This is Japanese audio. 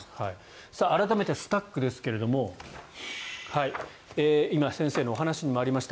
改めて、スタックですが今、先生のお話にもありました